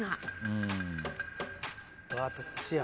うわどっちや？